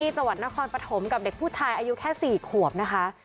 จังหวัดนครปฐมกับเด็กผู้ชายอายุแค่๔ขวบนะคะ